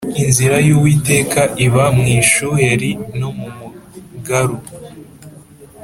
Inzira y’Uwiteka iba mu ishuheri no mu mugaru